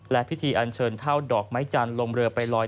และพิธีอันเชิญเท่าดอกไม้จันทร์ลงเรือไปลอย